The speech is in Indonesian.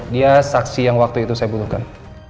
dia saksi yang waktu itu saya butuhkan